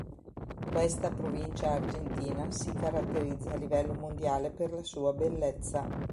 Questa provincia argentina si caratterizza a livello mondiale per la sua bellezza.